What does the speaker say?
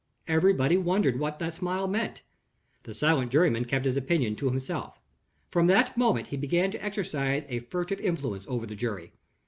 Everybody wondered what that smile meant. The silent juryman kept his opinion to himself. From that moment he began to exercise a furtive influence over the jury.